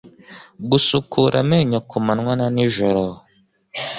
Gusukura amenyo ku manywa na nijoro